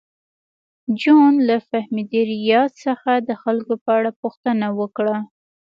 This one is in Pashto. جون له فهمیدې ریاض څخه د خلکو په اړه پوښتنه وکړه